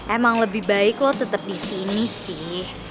emang lebih baik lo tetep disini sih